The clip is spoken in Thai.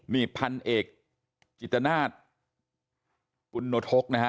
มีพันธุ์เอกกิจนาศคุณโนทกนะฮะ